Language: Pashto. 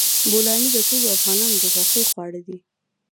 بولاني د ټولو افغانانو د خوښې خواړه دي.